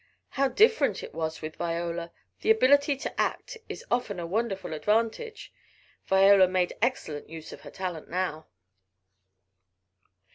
How different it was with Viola! The ability to act is often a wonderful advantage. Viola made excellent use of her talent now.